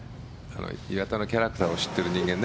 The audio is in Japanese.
岩田のキャラクターを知っている人間